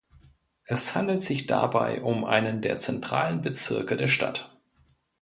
Es handelt sich dabei um einen der zentralen Bezirke der Stadt.